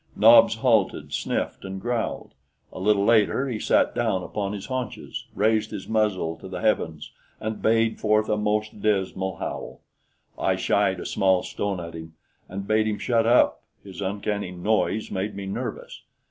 Nobs halted, sniffed and growled. A little later he sat down upon his haunches, raised his muzzle to the heavens and bayed forth a most dismal howl. I shied a small stone at him and bade him shut up his uncanny noise made me nervous.